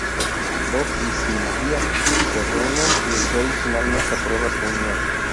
Bob y Sylvia se reúnen, y el rey finalmente aprueba su unión.